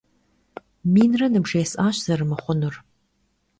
Минрэ ныбжесӏащ зэрымыхъунур!